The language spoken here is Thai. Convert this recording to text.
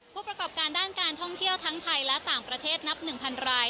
ผู้ประกอบการด้านการท่องเที่ยวทั้งไทยและต่างประเทศนับ๑๐๐ราย